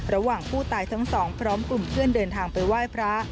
ระหว่างผู้ตายทั้งสองพร้อมกลุ่มเพื่อนเดินทางไปไหว้พระ